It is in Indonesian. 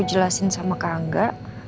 jelasin sama kangga